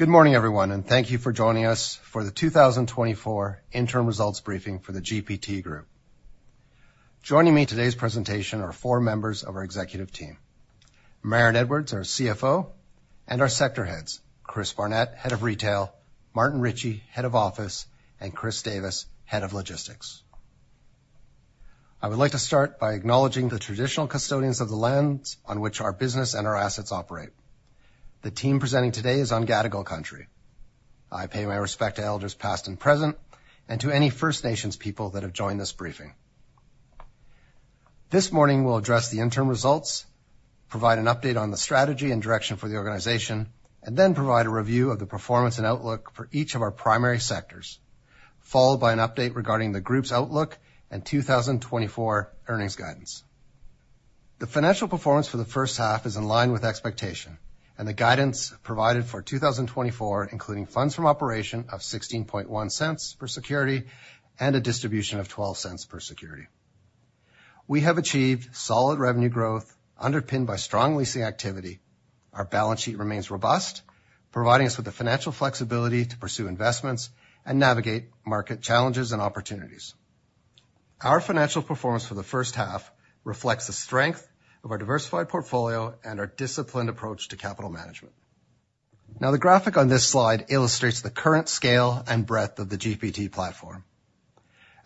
Good morning, everyone, and thank you for joining us for the 2024 Interim Results Briefing For The GPT Group. Joining me in today's presentation are four members of our executive team: Merran Edwards, our CFO, and our sector heads, Chris Barnett, Head of Retail, Martin Ritchie, Head of Office, and Chris Davis, Head of Logistics. I would like to start by acknowledging the traditional custodians of the lands on which our business and our assets operate. The team presenting today is on Gadigal Country. I pay my respect to elders, past and present, and to any First Nations people that have joined this briefing. This morning, we'll address the interim results, provide an update on the strategy and direction for the organization, and then provide a review of the performance and outlook for each of our primary sectors, followed by an update regarding the group's outlook and 2024 earnings guidance. The financial performance for the first half is in line with expectations, and the guidance provided for 2024, including funds from operations of 0.161 per security and a distribution of 0.12 per security. We have achieved solid revenue growth, underpinned by strong leasing activity. Our balance sheet remains robust, providing us with the financial flexibility to pursue investments and navigate market challenges and opportunities. Our financial performance for the first half reflects the strength of our diversified portfolio and our disciplined approach to capital management. Now, the graphic on this slide illustrates the current scale and breadth of the GPT platform.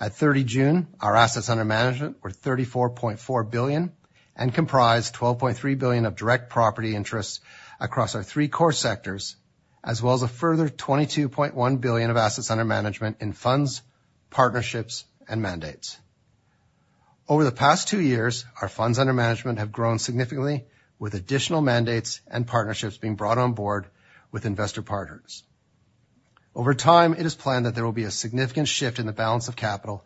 At 30 June, our assets under management were AUD 34.4 billion and comprised AUD 12.3 billion of direct property interests across our three core sectors, as well as a further AUD 22.1 billion of assets under management in funds, partnerships, and mandates. Over the past two years, our funds under management have grown significantly, with additional mandates and partnerships being brought on board with investor partners. Over time, it is planned that there will be a significant shift in the balance of capital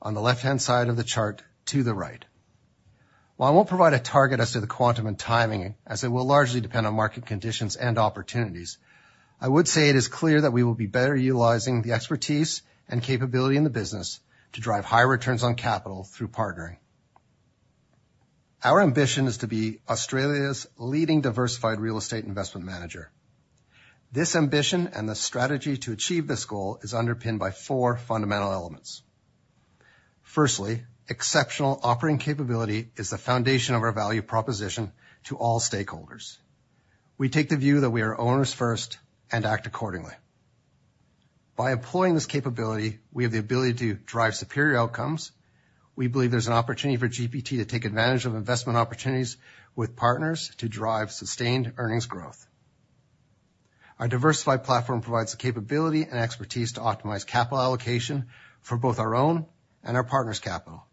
on the left-hand side of the chart to the right. While I won't provide a target as to the quantum and timing, as it will largely depend on market conditions and opportunities, I would say it is clear that we will be better utilizing the expertise and capability in the business to drive higher returns on capital through partnering. Our ambition is to be Australia's leading diversified real estate investment manager. This ambition, and the strategy to achieve this goal, is underpinned by four fundamental elements. Firstly, exceptional operating capability is the foundation of our value proposition to all stakeholders. We take the view that we are owners first and act accordingly. By employing this capability, we have the ability to drive superior outcomes. We believe there's an opportunity for GPT to take advantage of investment opportunities with partners to drive sustained earnings growth. Our diversified platform provides the capability and expertise to optimize capital allocation for both our own and our partners' capital,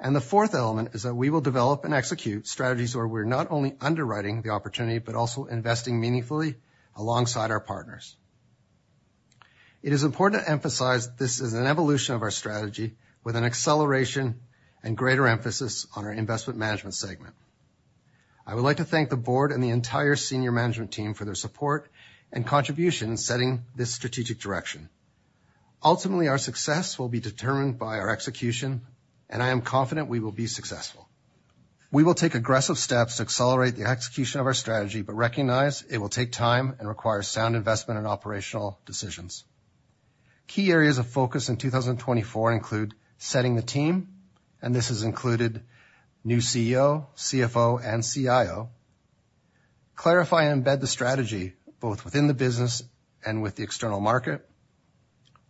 and the fourth element is that we will develop and execute strategies where we're not only underwriting the opportunity, but also investing meaningfully alongside our partners. It is important to emphasize this is an evolution of our strategy with an acceleration and greater emphasis on our investment management segment. I would like to thank the board and the entire senior management team for their support and contribution in setting this strategic direction. Ultimately, our success will be determined by our execution, and I am confident we will be successful. We will take aggressive steps to accelerate the execution of our strategy, but recognize it will take time and require sound investment and operational decisions. Key areas of focus in 2024 include setting the team, and this has included new CEO, CFO, and CIO. Clarify and embed the strategy, both within the business and with the external market.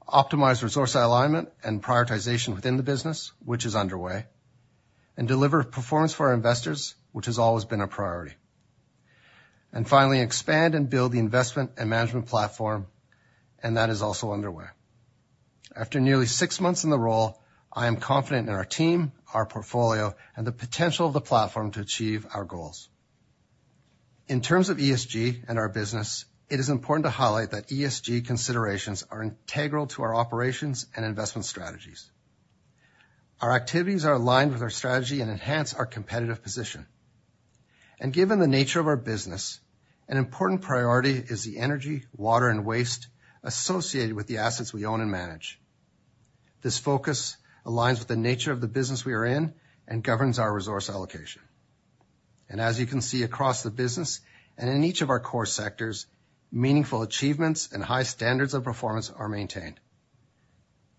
Optimize resource alignment and prioritization within the business, which is underway, and deliver performance for our investors, which has always been a priority. And finally, expand and build the investment and management platform, and that is also underway. After nearly six months in the role, I am confident in our team, our portfolio, and the potential of the platform to achieve our goals. In terms of ESG and our business, it is important to highlight that ESG considerations are integral to our operations and investment strategies. Our activities are aligned with our strategy and enhance our competitive position. Given the nature of our business, an important priority is the energy, water, and waste associated with the assets we own and manage. This focus aligns with the nature of the business we are in and governs our resource allocation. As you can see across the business, and in each of our core sectors, meaningful achievements and high standards of performance are maintained.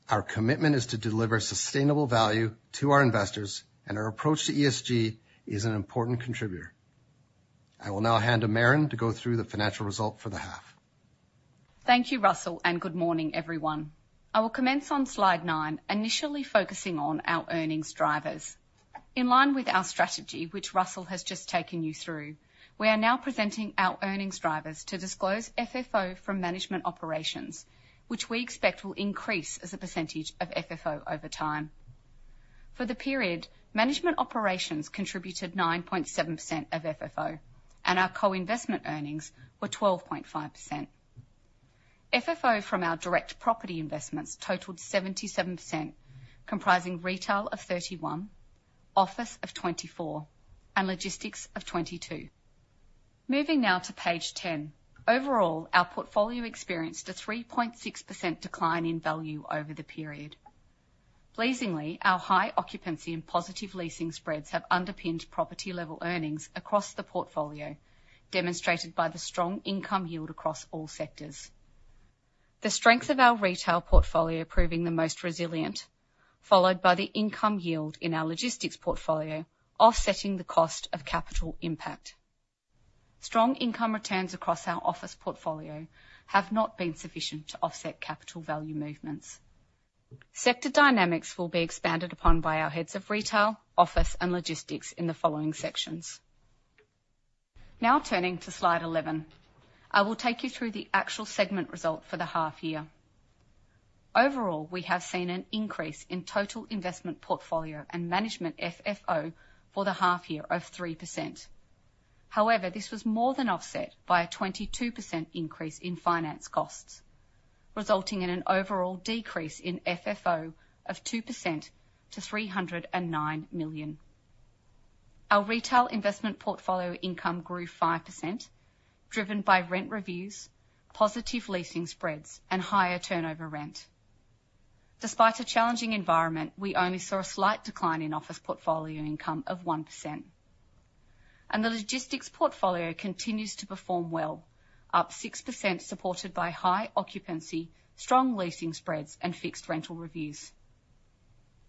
Our commitment is to deliver sustainable value to our investors, and our approach to ESG is an important contributor. I will now hand to Merran to go through the financial result for the half. Thank you, Russell, and good morning, everyone. I will commence on slide 9, initially focusing on our earnings drivers. In line with our strategy, which Russell has just taken you through, we are now presenting our earnings drivers to disclose FFO from management operations, which we expect will increase as a percentage of FFO over time. For the period, management operations contributed 9.7% of FFO, and our co-investment earnings were 12.5%. FFO from our direct property investments totaled 77%, comprising retail of 31, office of 24, and logistics of 22. Moving now to page 10. Overall, our portfolio experienced a 3.6% decline in value over the period. Pleasingly, our high occupancy and positive leasing spreads have underpinned property-level earnings across the portfolio, demonstrated by the strong income yield across all sectors. The strength of our retail portfolio proving the most resilient, followed by the income yield in our logistics portfolio, offsetting the cost of capital impact. Strong income returns across our office portfolio have not been sufficient to offset capital value movements. Sector dynamics will be expanded upon by our heads of retail, office, and logistics in the following sections. Now turning to slide eleven, I will take you through the actual segment result for the half year. Overall, we have seen an increase in total investment portfolio and management FFO for the half year of 3%. However, this was more than offset by a 22% increase in finance costs, resulting in an overall decrease in FFO of 2% to 309 million. Our retail investment portfolio income grew 5%, driven by rent reviews, positive leasing spreads, and higher turnover rent. Despite a challenging environment, we only saw a slight decline in office portfolio income of 1%. And the logistics portfolio continues to perform well, up 6%, supported by high occupancy, strong leasing spreads, and fixed rental reviews.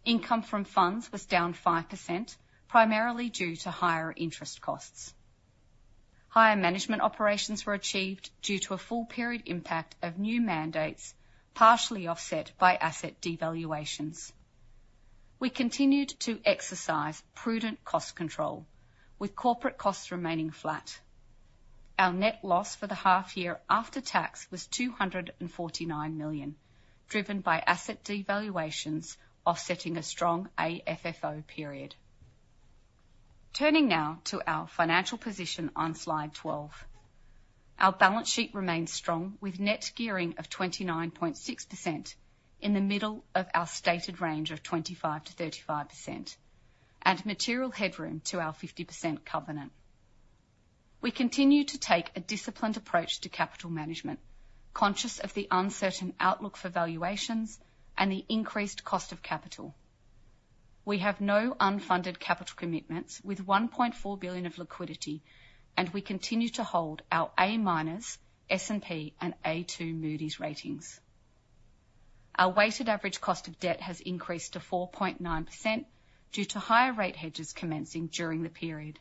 Income from funds was down 5%, primarily due to higher interest costs. Higher management operations were achieved due to a full period impact of new mandates, partially offset by asset devaluations. We continued to exercise prudent cost control, with corporate costs remaining flat. Our net loss for the half year after tax was 249 million, driven by asset devaluations, offsetting a strong AFFO period. Turning now to our financial position on Slide 12. Our balance sheet remains strong, with net gearing of 29.6% in the middle of our stated range of 25%-35%, and material headroom to our 50% covenant. We continue to take a disciplined approach to capital management, conscious of the uncertain outlook for valuations and the increased cost of capital. We have no unfunded capital commitments, with 1.4 billion of liquidity, and we continue to hold our A- S&P and A2 Moody's ratings. Our weighted average cost of debt has increased to 4.9% due to higher rate hedges commencing during the period.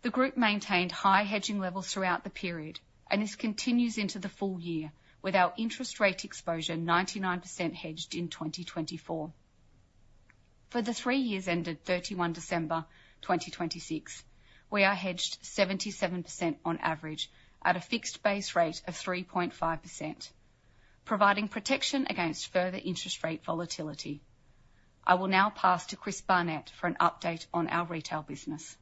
The group maintained high hedging levels throughout the period, and this continues into the full year, with our interest rate exposure 99% hedged in 2024. For the three years ended 31 December 2026, we are hedged 77% on average at a fixed base rate of 3.5%, providing protection against further interest rate volatility. I will now pass to Chris Barnett for an update on our retail business.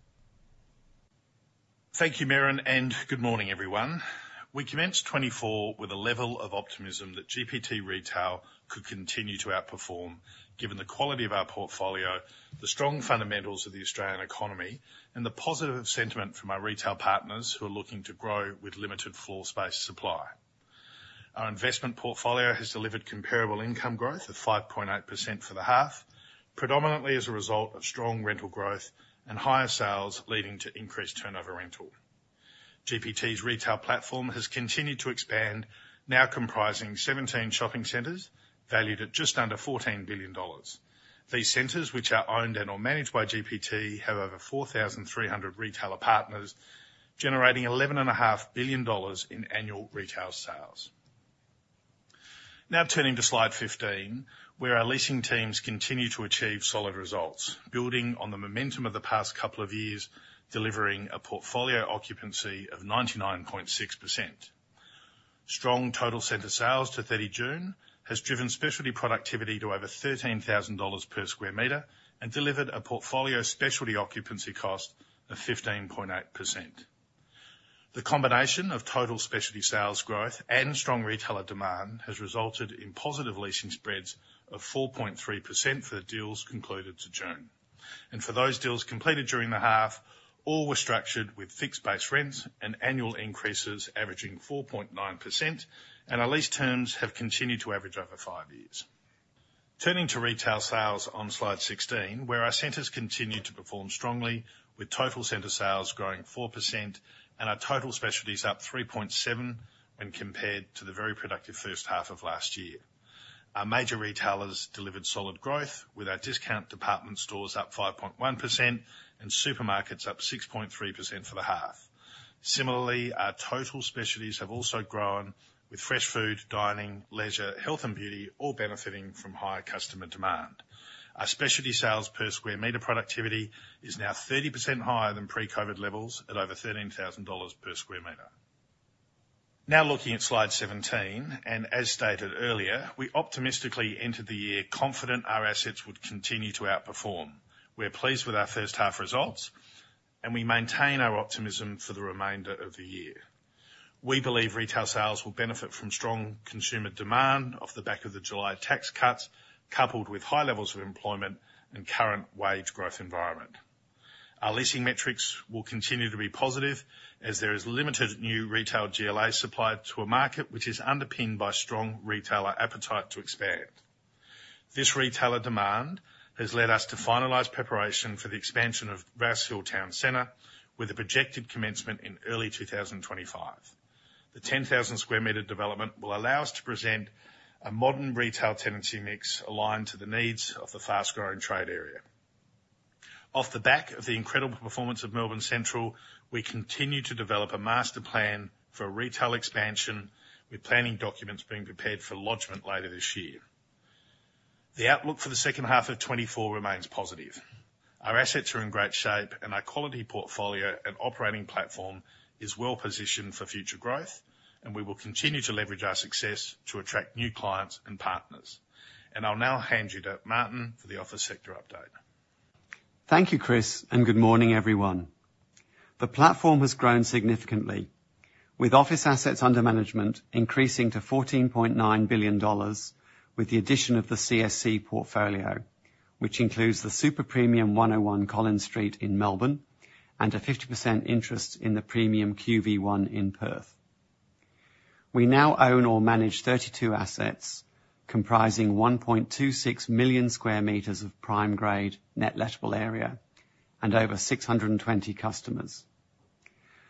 Thank you, Merran, and good morning, everyone. We commenced 2024 with a level of optimism that GPT Retail could continue to outperform, given the quality of our portfolio, the strong fundamentals of the Australian economy, and the positive sentiment from our retail partners, who are looking to grow with limited floor space supply. Our investment portfolio has delivered comparable income growth of 5.8% for the half, predominantly as a result of strong rental growth and higher sales, leading to increased turnover rental. GPT's retail platform has continued to expand, now comprising 17 shopping centers, valued at just under AUD 14 billion. These centers, which are owned and/or managed by GPT, have over 4,300 retailer partners, generating AUD 11.5 billion in annual retail sales. Now turning to Slide 15, where our leasing teams continue to achieve solid results, building on the momentum of the past couple of years, delivering a portfolio occupancy of 99.6%. Strong total center sales to 30 June has driven specialty productivity to over 13,000 dollars per square meter and delivered a portfolio specialty occupancy cost of 15.8%. The combination of total specialty sales growth and strong retailer demand has resulted in positive leasing spreads of 4.3% for the deals concluded to June. And for those deals completed during the half, all were structured with fixed-base rents and annual increases averaging 4.9%, and our lease terms have continued to average over five years. Turning to retail sales on Slide 16, where our centers continued to perform strongly, with total center sales growing 4% and our total specialties up 3.7%, when compared to the very productive first half of last year. Our major retailers delivered solid growth, with our discount department stores up 5.1% and supermarkets up 6.3% for the half. Similarly, our total specialties have also grown, with fresh food, dining, leisure, health, and beauty all benefiting from higher customer demand. Our specialty sales per square meter productivity is now 30% higher than pre-COVID levels, at over AUD 13,000 per square meter. Now looking at Slide 17, and as stated earlier, we optimistically entered the year confident our assets would continue to outperform. We're pleased with our first half results, and we maintain our optimism for the remainder of the year. We believe retail sales will benefit from strong consumer demand off the back of the July tax cuts, coupled with high levels of employment and current wage growth environment.... Our leasing metrics will continue to be positive, as there is limited new retail GLA supplied to a market, which is underpinned by strong retailer appetite to expand. This retailer demand has led us to finalize preparation for the expansion of Rouse Hill Town Centre, with a projected commencement in early 2025. The 10,000 square meter development will allow us to present a modern retail tenancy mix aligned to the needs of the fast-growing trade area. Off the back of the incredible performance of Melbourne Central, we continue to develop a master plan for retail expansion, with planning documents being prepared for lodgement later this year. The outlook for the second half of 2024 remains positive. Our assets are in great shape, and our quality portfolio and operating platform is well positioned for future growth, and we will continue to leverage our success to attract new clients and partners, and I'll now hand you to Martin for the office sector update. Thank you, Chris, and good morning, everyone. The platform has grown significantly, with office assets under management increasing to 14.9 billion dollars with the addition of the CSC portfolio, which includes the super premium 101 Collins Street in Melbourne, and a 50% interest in the premium QV1 in Perth. We now own or manage 32 assets, comprising 1.26 million square meters of prime grade net lettable area and over 620 customers.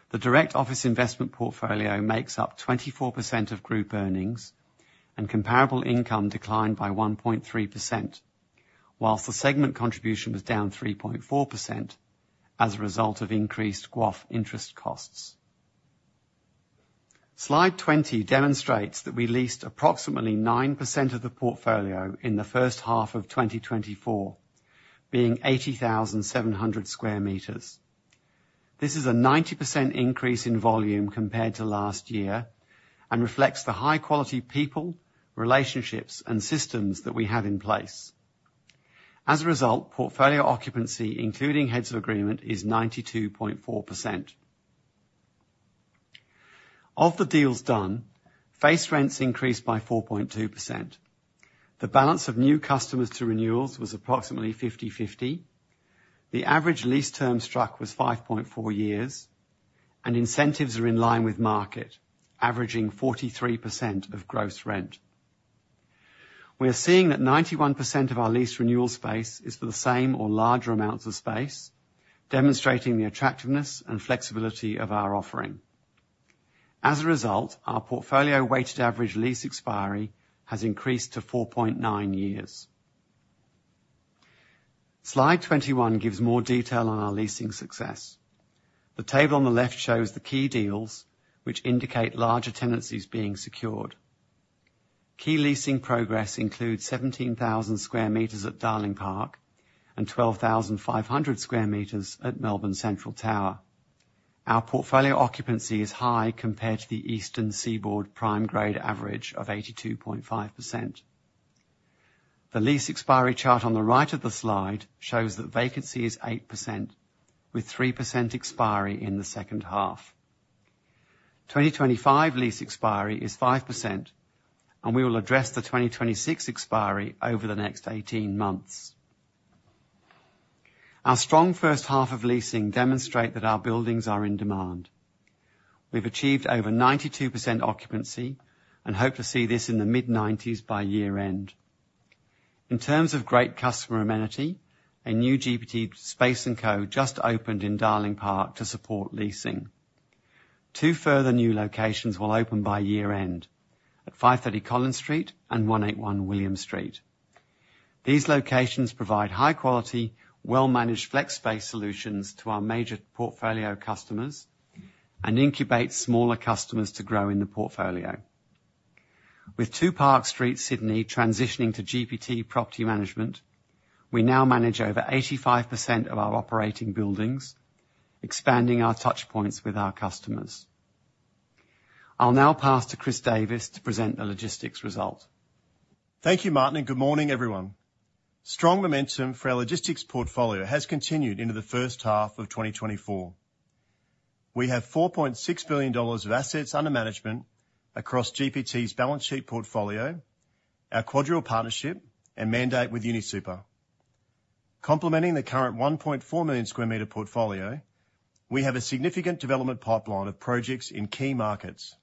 The direct office investment portfolio makes up 24% of group earnings, and comparable income declined by 1.3%, while the segment contribution was down 3.4% as a result of increased GWOF interest costs. Slide 20 demonstrates that we leased approximately 9% of the portfolio in the first half of 2024, being 80,700 square meters. This is a 90% increase in volume compared to last year and reflects the high quality people, relationships, and systems that we have in place. As a result, portfolio occupancy, including heads of agreement, is 92.4%. Of the deals done, face rents increased by 4.2%. The balance of new customers to renewals was approximately 50/50. The average lease term struck was 5.4 years, and incentives are in line with market, averaging 43% of gross rent. We are seeing that 91% of our lease renewal space is for the same or larger amounts of space, demonstrating the attractiveness and flexibility of our offering. As a result, our portfolio weighted average lease expiry has increased to 4.9 years. Slide 21 gives more detail on our leasing success. The table on the left shows the key deals, which indicate larger tenancies being secured. Key leasing progress includes 17,000 square meters at Darling Park and 12,500 square meters at Melbourne Central Tower. Our portfolio occupancy is high compared to the Eastern Seaboard prime grade average of 82.5%. The lease expiry chart on the right of the slide shows that vacancy is 8%, with 3% expiry in the second half. 2025 lease expiry is 5%, and we will address the 2026 expiry over the next 18 months. Our strong first half of leasing demonstrate that our buildings are in demand. We've achieved over 92% occupancy and hope to see this in the mid-1990s by year-end. In terms of great customer amenity, a new GPT Space&Co. just opened in Darling Park to support leasing. Two further new locations will open by year-end at 530 Collins Street and 181 William Street. These locations provide high quality, well-managed flex space solutions to our major portfolio customers and incubate smaller customers to grow in the portfolio. With Two Park Street, Sydney, transitioning to GPT Property Management, we now manage over 85% of our operating buildings, expanding our touchpoints with our customers. I'll now pass to Chris Davis to present the logistics result. Thank you, Martin, and good morning, everyone. Strong momentum for our logistics portfolio has continued into the first half of 2024. We have 4.6 billion dollars of assets under management across GPT's balance sheet portfolio, our QuadReal partnership, and mandate with UniSuper. Complementing the current 1.4 million square meter portfolio, we have a significant development pipeline of projects in key markets.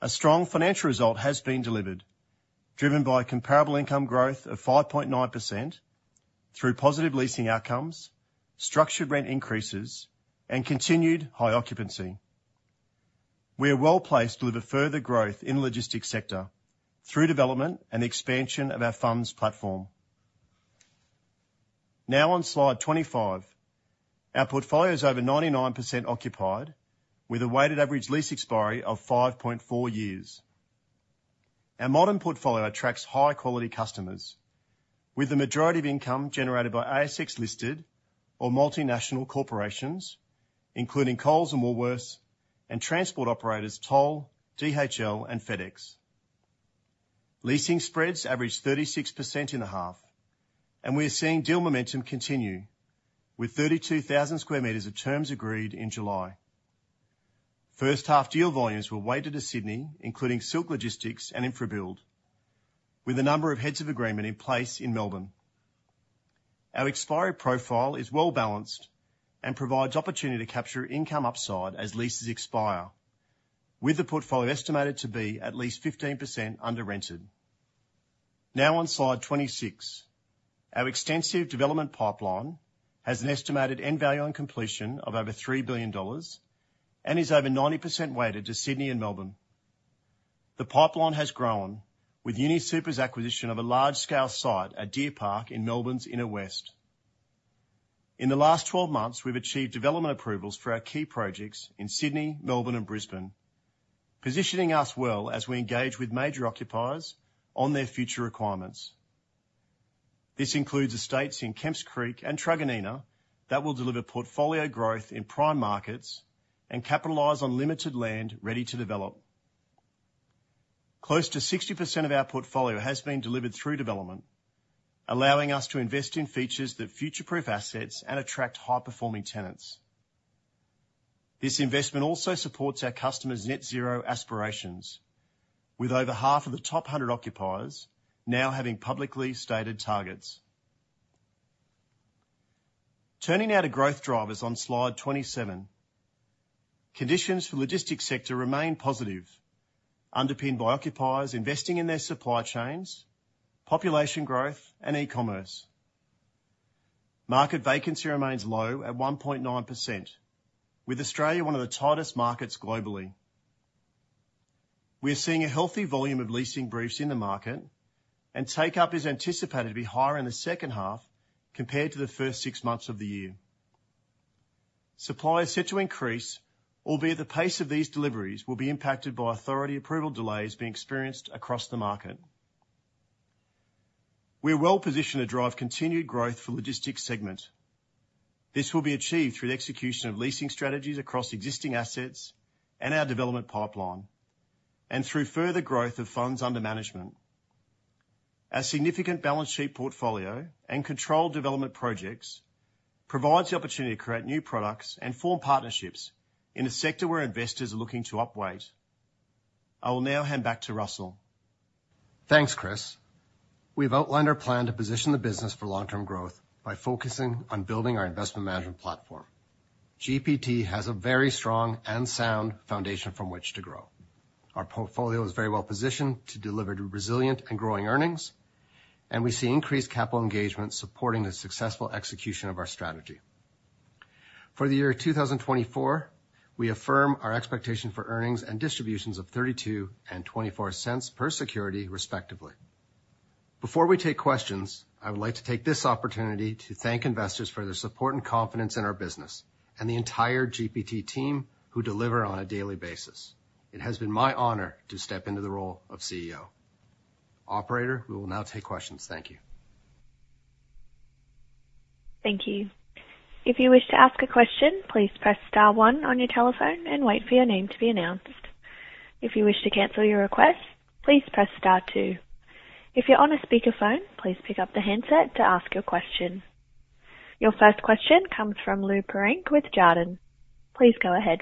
A strong financial result has been delivered, driven by comparable income growth of 5.9% through positive leasing outcomes, structured rent increases, and continued high occupancy. We are well-placed to deliver further growth in the logistics sector through development and expansion of our funds platform. Now on slide 25, our portfolio is over 99% occupied, with a weighted average lease expiry of 5.4 years. Our modern portfolio attracts high quality customers, with the majority of income generated by ASX-listed or multinational corporations, including Coles and Woolworths, and transport operators Toll, DHL, and FedEx. Leasing spreads averaged 36% in the half, and we are seeing deal momentum continue, with 32,000 square meters of terms agreed in July.... First half deal volumes were weighted to Sydney, including Silk Logistics and InfraBuild, with a number of heads of agreement in place in Melbourne. Our expiry profile is well balanced and provides opportunity to capture income upside as leases expire, with the portfolio estimated to be at least 15% under rented. Now on slide 26. Our extensive development pipeline has an estimated end value on completion of over 3 billion dollars and is over 90% weighted to Sydney and Melbourne.The pipeline has grown, with UniSuper's acquisition of a large-scale site at Deer Park in Melbourne's Inner West. In the last 12 months, we've achieved development approvals for our key projects in Sydney, Melbourne, and Brisbane, positioning us well as we engage with major occupiers on their future requirements. This includes estates in Kemps Creek and Truganina that will deliver portfolio growth in prime markets and capitalize on limited land ready to develop. Close to 60% of our portfolio has been delivered through development, allowing us to invest in features that future-proof assets and attract high-performing tenants. This investment also supports our customers' net zero aspirations, with over half of the top 100 occupiers now having publicly stated targets. Turning now to growth drivers on slide 27. Conditions for logistics sector remain positive, underpinned by occupiers investing in their supply chains, population growth, and e-commerce. Market vacancy remains low at 1.9%, with Australia one of the tightest markets globally. We are seeing a healthy volume of leasing briefs in the market, and take-up is anticipated to be higher in the second half compared to the first six months of the year. Supply is set to increase, albeit the pace of these deliveries will be impacted by authority approval delays being experienced across the market. We are well positioned to drive continued growth for logistics segment. This will be achieved through the execution of leasing strategies across existing assets and our development pipeline, and through further growth of funds under management. Our significant balance sheet portfolio and controlled development projects provides the opportunity to create new products and form partnerships in a sector where investors are looking to upweight. I will now hand back to Russell. Thanks, Chris. We've outlined our plan to position the business for long-term growth by focusing on building our investment management platform. GPT has a very strong and sound foundation from which to grow. Our portfolio is very well positioned to deliver resilient and growing earnings, and we see increased capital engagement supporting the successful execution of our strategy. For the year 2024, we affirm our expectation for earnings and distributions of 0.32 and 0.24 per security, respectively. Before we take questions, I would like to take this opportunity to thank investors for their support and confidence in our business, and the entire GPT team, who deliver on a daily basis. It has been my honor to step into the role of CEO. Operator, we will now take questions. Thank you. Thank you. If you wish to ask a question, please press star one on your telephone and wait for your name to be announced. If you wish to cancel your request, please press star two. If you're on a speakerphone, please pick up the handset to ask your question. Your first question comes from Lou Pirenc with Jarden. Please go ahead.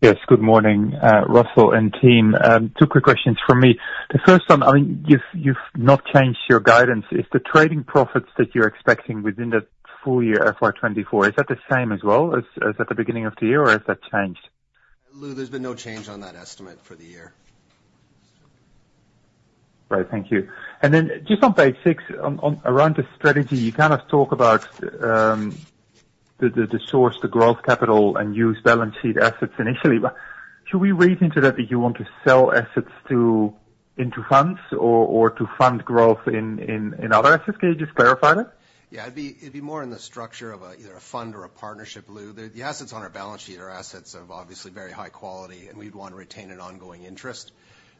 Yes, good morning, Russell and team. Two quick questions from me. The first one, I mean, you've not changed your guidance. Is the trading profits that you're expecting within the full year, FY 2024, the same as well as at the beginning of the year, or has that changed? Lou, there's been no change on that estimate for the year. Great. Thank you. And then just on page six, on around the strategy, you kind of talk about the source of the growth capital, and use balance sheet assets initially. But should we read into that, that you want to sell assets to into funds or to fund growth in other assets? Can you just clarify that? Yeah, it'd be more in the structure of either a fund or a partnership, Lou. The assets on our balance sheet are assets of obviously very high quality, and we'd want to retain an ongoing interest.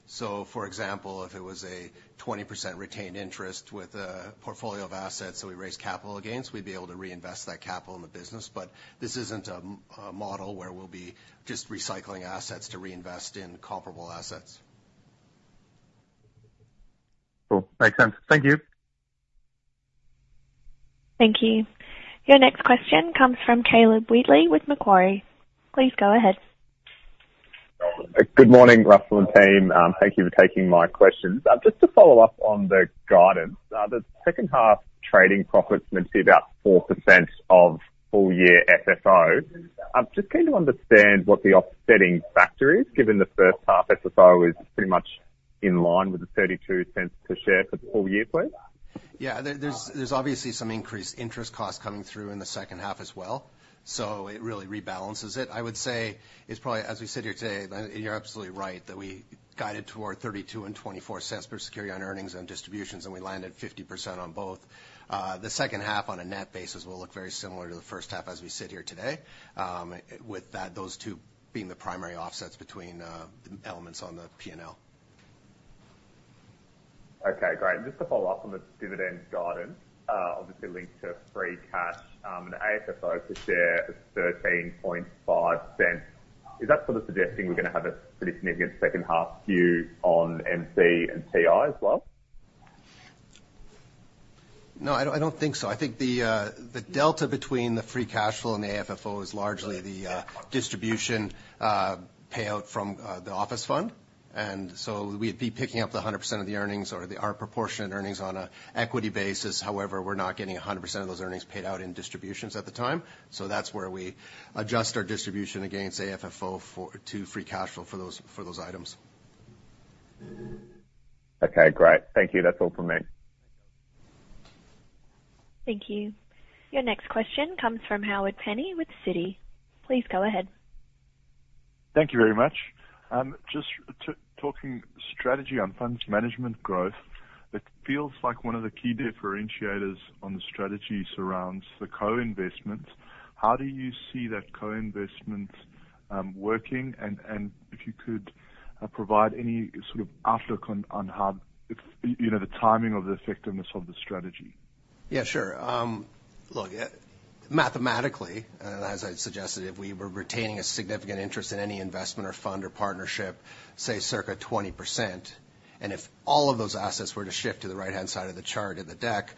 So, for example, if it was a 20% retained interest with a portfolio of assets that we raise capital against, we'd be able to reinvest that capital in the business. But this isn't a model where we'll be just recycling assets to reinvest in comparable assets. Cool. Makes sense. Thank you. Thank you. Your next question comes from Caleb Wheatley with Macquarie. Please go ahead. Good morning, Russell and team. Thank you for taking my questions. Just to follow up on the guidance, the second half trading profits would be about 4% of full year FFO. I'm just keen to understand what the offsetting factor is, given the first half FFO is pretty much in line with the 0.32 per share for the full year, please. Yeah. There's obviously some increased interest costs coming through in the second half as well, so it really rebalances it. I would say it's probably, as we sit here today, then you're absolutely right, that we guided toward 0.32 and 0.24 per security on earnings and distributions, and we landed 50% on both. The second half, on a net basis, will look very similar to the first half as we sit here today, with that, those two being the primary offsets between the elements on the P&L. Okay, great. Just to follow up on the dividend guidance, obviously linked to free cash, an FFO per share of 0.135. Is that sort of suggesting we're gonna have a pretty significant second half skew on LC and TI as well?... No, I don't, I don't think so. I think the delta between the free cash flow and the AFFO is largely the distribution payout from the office fund. And so we'd be picking up 100% of the earnings or our proportionate earnings on an equity basis. However, we're not getting 100% of those earnings paid out in distributions at the time, so that's where we adjust our distribution against AFFO to free cash flow for those items. Okay, great. Thank you. That's all from me. Thank you. Your next question comes from Howard Penny with Citi. Please go ahead. Thank you very much. Just talking strategy on funds management growth, it feels like one of the key differentiators on the strategy surrounds the co-investment. How do you see that co-investment working? And if you could provide any sort of outlook on how, you know, the timing of the effectiveness of the strategy. Yeah, sure. Look, mathematically, as I suggested, if we were retaining a significant interest in any investment or fund or partnership, say, circa 20%, and if all of those assets were to shift to the right-hand side of the chart in the deck,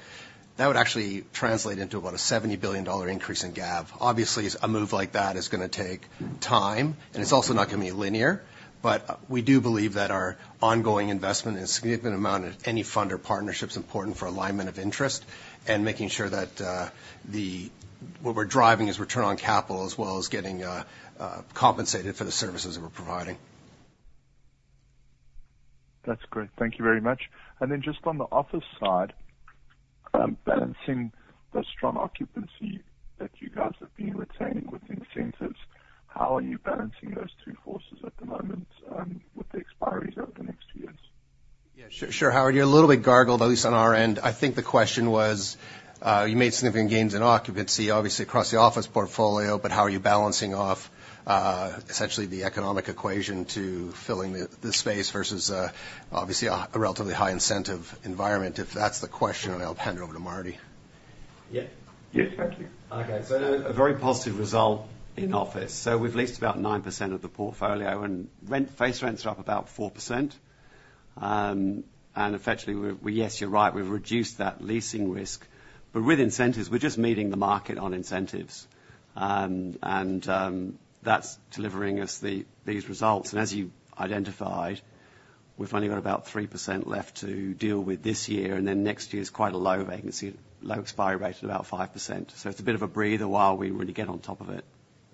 that would actually translate into about a 70 billion dollar increase in AUM. Obviously, a move like that is gonna take time, and it's also not gonna be linear. But we do believe that our ongoing investment in a significant amount of any fund or partnership is important for alignment of interest and making sure that what we're driving is return on capital, as well as getting compensated for the services that we're providing. That's great. Thank you very much. And then just on the office side, balancing the strong occupancy that you guys have been retaining with incentives, how are you balancing those two forces at the moment, with the expiries over the next two years? Yeah, sure, sure, Howard. You're a little bit garbled, at least on our end. I think the question was, you made significant gains in occupancy, obviously, across the office portfolio, but how are you balancing out, essentially the economic equation to filling the space versus, obviously, a relatively high incentive environment? If that's the question, I'll hand it over to Marty. Yeah. Yes. Thank you. Okay. A very positive result in office. We've leased about 9% of the portfolio, and base rents are up about 4%. Effectively, we're, yes, you're right, we've reduced that leasing risk. With incentives, we're just meeting the market on incentives. That's delivering us these results. As you identified, we've only got about 3% left to deal with this year, and then next year is quite a low vacancy, low expiry rate of about 5%. It's a bit of a breather while we really get on top of it.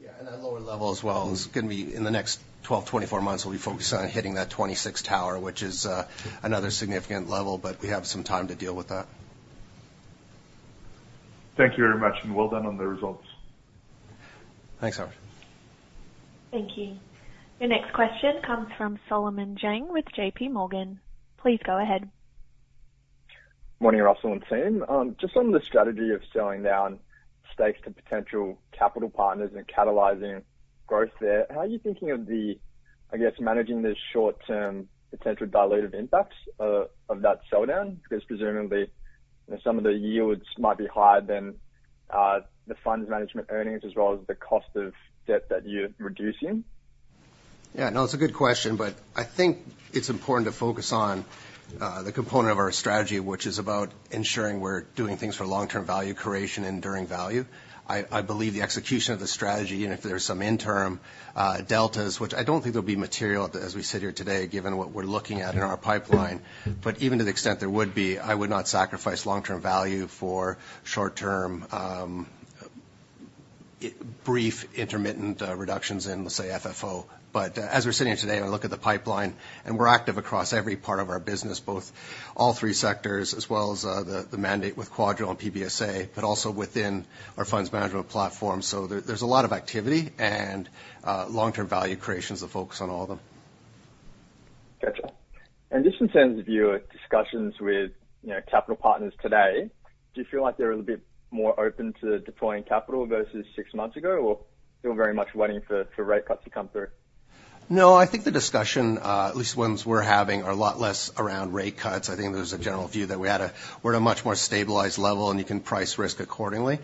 Yeah, and that lower level as well is gonna be, in the next 12, 24 months, we'll be focused on hitting that 26 tower, which is another significant level, but we have some time to deal with that. Thank you very much, and well done on the results. Thanks, Howard. Thank you. Your next question comes from Solomon Zhang with J.P. Morgan. Please go ahead. Morning, Russell and team. Just on the strategy of selling down stakes to potential capital partners and catalyzing growth there, how are you thinking of the, I guess, managing the short-term potential dilutive impacts, of that sell-down? Because presumably, some of the yields might be higher than, the funds management earnings, as well as the cost of debt that you're reducing. Yeah, no, it's a good question, but I think it's important to focus on the component of our strategy, which is about ensuring we're doing things for long-term value creation, enduring value. I, I believe the execution of the strategy, and if there are some interim deltas, which I don't think there'll be material as we sit here today, given what we're looking at in our pipeline, but even to the extent there would be, I would not sacrifice long-term value for short-term brief intermittent reductions in, let's say, FFO. But as we're sitting here today, I look at the pipeline, and we're active across every part of our business, both all three sectors, as well as the mandate with QuadReal and PBSA, but also within our funds management platform. There's a lot of activity, and long-term value creation is the focus on all of them. Gotcha. And just in terms of your discussions with, you know, capital partners today, do you feel like they're a little bit more open to deploying capital versus six months ago, or still very much waiting for, for rate cuts to come through? No, I think the discussion, at least the ones we're having, are a lot less around rate cuts. I think there's a general view that we're at a much more stabilized level, and you can price risk accordingly.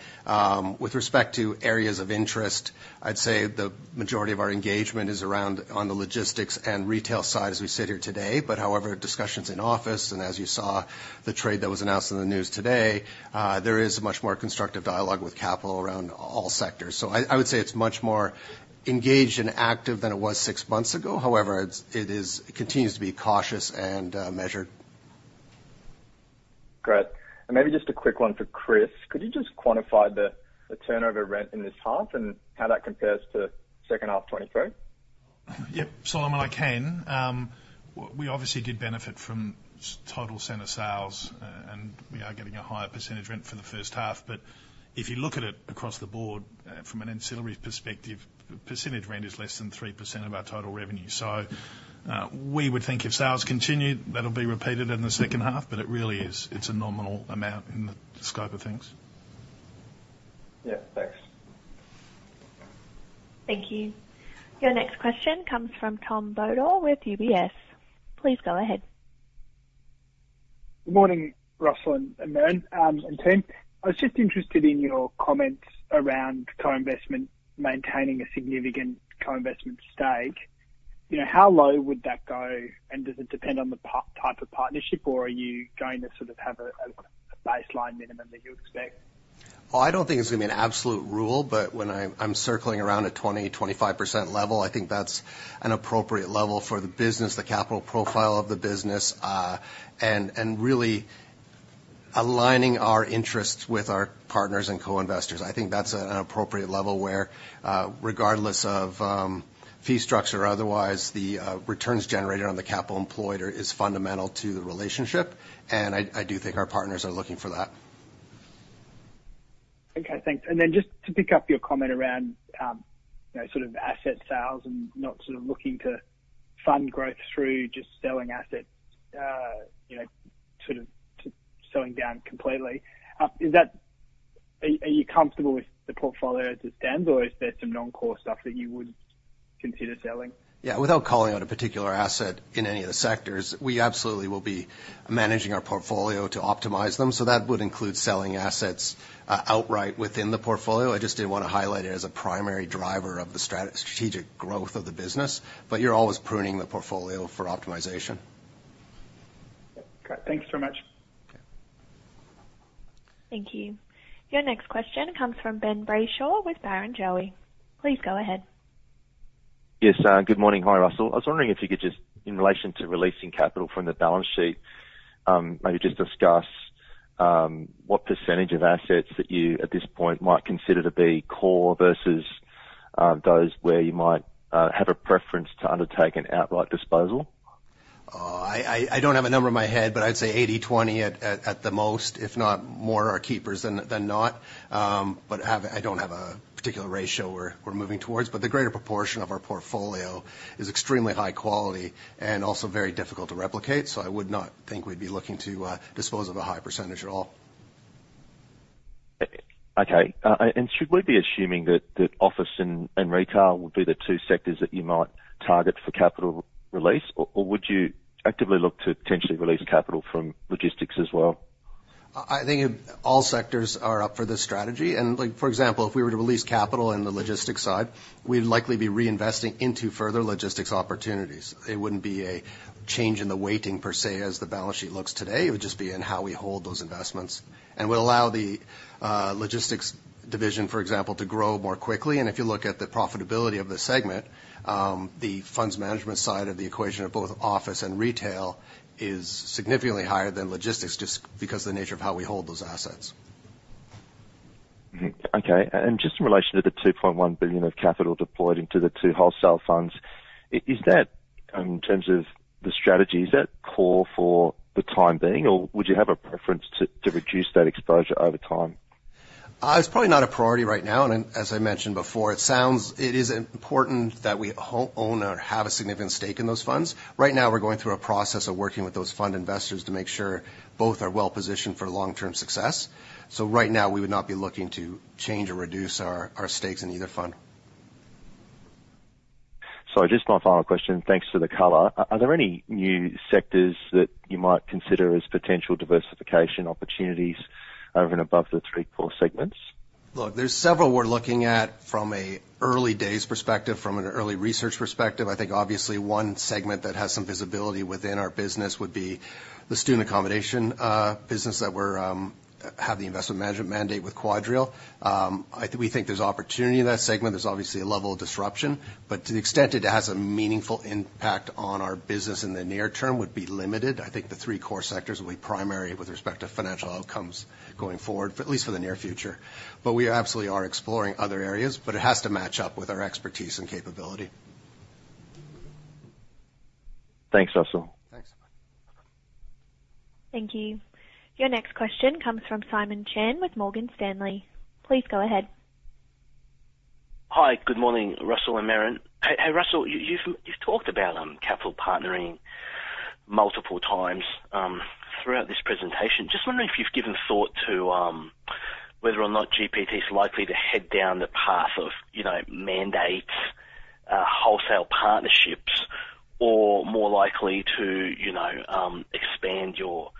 With respect to areas of interest, I'd say the majority of our engagement is around on the logistics and retail side as we sit here today. But however, discussions in office, and as you saw, the trade that was announced in the news today, there is a much more constructive dialogue with capital around all sectors. So I would say it's much more engaged and active than it was six months ago. However, it continues to be cautious and measured. Great. And maybe just a quick one for Chris. Could you just quantify the turnover rent in this half and how that compares to second half 2023? Yep, Solomon, I can. We obviously did benefit from total center sales, and we are getting a higher percentage rent for the first half. But if you look at it across the board, from an ancillary perspective, percentage rent is less than 3% of our total revenue. So, we would think if sales continued, that'll be repeated in the second half, but it really is, it's a nominal amount in the scope of things. Yeah, thanks. Thank you. Your next question comes from Tom Bodor with UBS. Please go ahead. Good morning, Russell and Martin, and team. I was just interested in your comments around co-investment, maintaining a significant co-investment stake.... You know, how low would that go, and does it depend on the type of partnership, or are you going to sort of have a baseline minimum that you expect? I don't think it's gonna be an absolute rule, but when I'm circling around a 20%-25% level, I think that's an appropriate level for the business, the capital profile of the business, and really aligning our interests with our partners and co-investors. I think that's an appropriate level where, regardless of fee structure or otherwise, the returns generated on the capital employed are, is fundamental to the relationship, and I do think our partners are looking for that. Okay, thanks. And then just to pick up your comment around, you know, sort of asset sales and not sort of looking to fund growth through just selling assets, you know, sort of to selling down completely. Are you comfortable with the portfolio as it stands, or is there some non-core stuff that you would consider selling? Yeah, without calling out a particular asset in any of the sectors, we absolutely will be managing our portfolio to optimize them. So that would include selling assets outright within the portfolio. I just didn't wanna highlight it as a primary driver of the strategic growth of the business, but you're always pruning the portfolio for optimization. Okay. Thanks so much. Okay. Thank you. Your next question comes from Ben Brayshaw with Barrenjoey. Please go ahead. Yes, good morning. Hi, Russell. I was wondering if you could just, in relation to releasing capital from the balance sheet, maybe just discuss what percentage of assets that you, at this point, might consider to be core versus those where you might have a preference to undertake an outright disposal? I don't have a number in my head, but I'd say 80/20 at the most, if not more, are keepers than not. But I don't have a particular ratio we're moving towards. But the greater proportion of our portfolio is extremely high quality and also very difficult to replicate, so I would not think we'd be looking to dispose of a high percentage at all. Okay. And should we be assuming that office and retail would be the two sectors that you might target for capital release? Or would you actively look to potentially release capital from logistics as well? I think all sectors are up for this strategy, and, like, for example, if we were to release capital in the logistics side, we'd likely be reinvesting into further logistics opportunities. It wouldn't be a change in the weighting per se, as the balance sheet looks today. It would just be in how we hold those investments, and we'll allow the logistics division, for example, to grow more quickly. And if you look at the profitability of the segment, the funds management side of the equation of both office and retail is significantly higher than logistics, just because of the nature of how we hold those assets. Mm-hmm. Okay. Just in relation to the 2.1 billion of capital deployed into the two wholesale funds, is that, in terms of the strategy, core for the time being, or would you have a preference to reduce that exposure over time? It's probably not a priority right now, and as I mentioned before, it is important that we own or have a significant stake in those funds. Right now, we're going through a process of working with those fund investors to make sure both are well positioned for long-term success. So right now, we would not be looking to change or reduce our stakes in either fund. Just my final question. Thanks for the color. Are there any new sectors that you might consider as potential diversification opportunities over and above the three core segments? Look, there are several we're looking at from an early days perspective, from an early research perspective. I think obviously one segment that has some visibility within our business would be the student accommodation business that we have the investment management mandate with QuadReal. We think there's opportunity in that segment. There's obviously a level of disruption, but to the extent it has a meaningful impact on our business in the near term would be limited. I think the three core sectors will be primary with respect to financial outcomes going forward, but at least for the near future. But we absolutely are exploring other areas, but it has to match up with our expertise and capability. Thanks, Russell. Thanks. Thank you. Your next question comes from Simon Chan with Morgan Stanley. Please go ahead. Hi. Good morning, Russell and Merran. Hey, Russell, you've talked about capital partnering multiple times throughout this presentation. Just wondering if you've given thought to whether or not GPT is likely to head down the path of, you know, mandates, wholesale partnerships, or more likely to, you know, expand your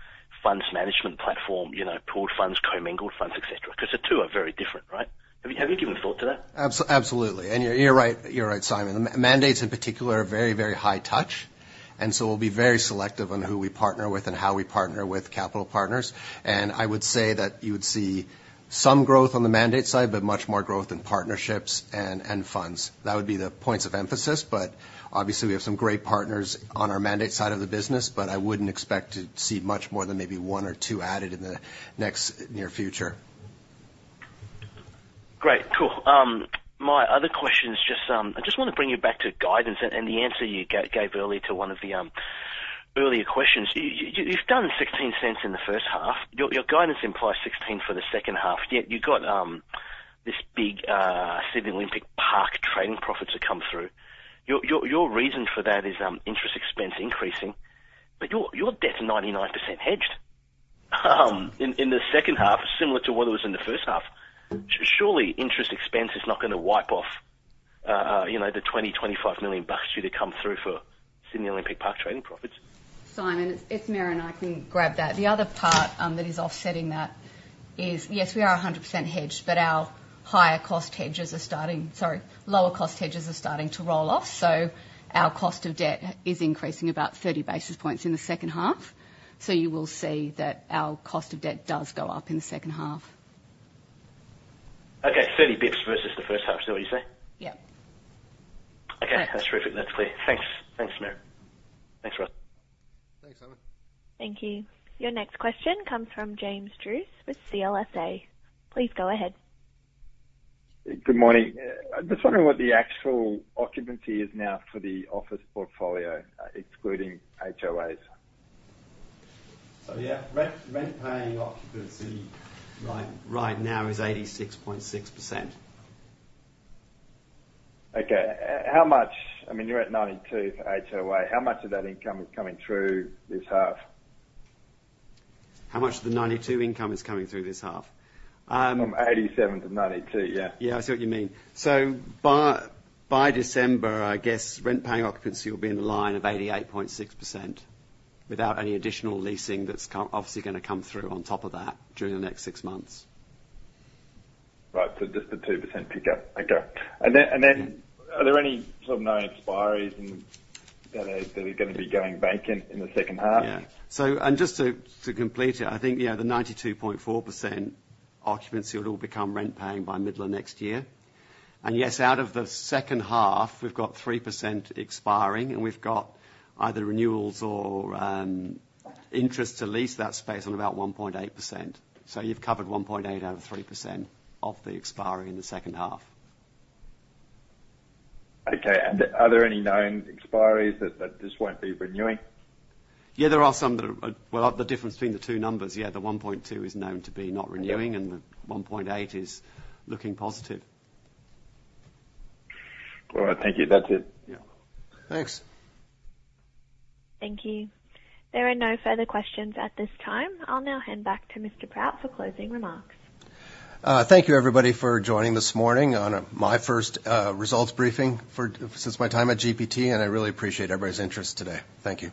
funds management platform, you know, pooled funds, commingled funds, et cetera? 'Cause the two are very different, right. Have you given thought to that? Absolutely. And you're right, you're right, Simon. Mandates in particular are very, very high touch, and so we'll be very selective on who we partner with and how we partner with capital partners. And I would say that you would see some growth on the mandate side, but much more growth in partnerships and funds. That would be the points of emphasis, but obviously, we have some great partners on our mandate side of the business, but I wouldn't expect to see much more than maybe one or two added in the next near future. Great. Cool. My other question is just, I just want to bring you back to guidance and the answer you gave earlier to one of the earlier questions. You've done 0.16 in the first half. Your guidance implies 0.16 for the second half, yet you've got this big Sydney Olympic Park trading profit to come through. Your reason for that is interest expense increasing, but your debt's 99% hedged in the second half, similar to what it was in the first half. Surely, interest expense is not gonna wipe off, you know, the 25 million bucks due to come through for Sydney Olympic Park trading profits? Simon, it's Merran. I can grab that. The other part that is offsetting that is, yes, we are 100% hedged, but our lower cost hedges are starting to roll off, so our cost of debt is increasing about 30 basis points in the second half. So you will see that our cost of debt does go up in the second half. Okay, 30 basis points versus the first half, is that what you say? Yeah. Okay. Thanks. That's terrific. That's clear. Thanks. Thanks, Merran. Thanks, Russell. Thanks, Simon. Thank you. Your next question comes from James Druce with CLSA. Please go ahead. Good morning. I'm just wondering what the actual occupancy is now for the office portfolio, excluding HOAs? So yeah, rent-paying occupancy right now is 86.6%. Okay. How much... I mean, you're at ninety-two for HOA. How much of that income is coming through this half? How much of the ninety-two income is coming through this half? From 87-92, yeah. Yeah, I see what you mean. So by December, I guess rent-paying occupancy will be in the line of 88.6% without any additional leasing that's come obviously gonna come through on top of that during the next six months. Right. So just a 2% pickup. Okay. And then are there any sort of known expiries and that are gonna be going vacant in the second half? Yeah. So and just to complete it, I think, yeah, the 92.4% occupancy would all become rent paying by middle of next year. And yes, out of the second half, we've got 3% expiring, and we've got either renewals or interest to lease that space on about 1.8%. So you've covered 1.8% out of 3% of the expiry in the second half. Okay. And are there any known expiries that just won't be renewing? Yeah, there are some that are... Well, the difference between the two numbers, yeah, the 1.2% is known to be not renewing- Yeah. and the 1.8% is looking positive. All right. Thank you. That's it. Yeah. Thanks. Thank you. There are no further questions at this time. I'll now hand back to Mr. Proutt for closing remarks. Thank you, everybody, for joining this morning on my first results briefing since my time at GPT, and I really appreciate everybody's interest today. Thank you.